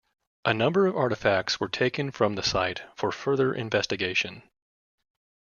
A number of artifacts were taken from the site for further investigation.